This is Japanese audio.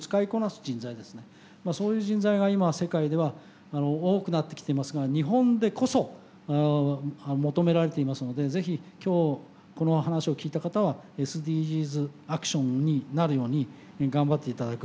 そういう人材が今世界では多くなってきていますが日本でこそ求められていますので是非今日この話を聞いた方はＳＤＧｓアクションになるように頑張っていただく。